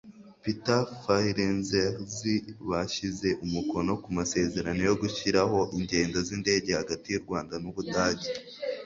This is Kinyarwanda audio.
Peter Fahrenzhlz bashyize umukono ku masezerano yo gushyiraho ingendo z’indege hagati y’u Rwanda n’u Budage